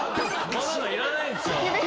こんなのいらないんすよ。